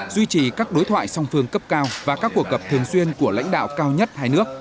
duy trì các đối thoại song phương cấp cao và các cuộc gặp thường xuyên của lãnh đạo cao nhất hai nước